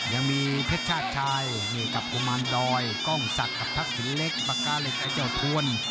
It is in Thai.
ยังมีเพชรชายเหกับกุมารดอยกล้องสักกับทักษิตเล็กปากกาเล็กกับเจ้าทวน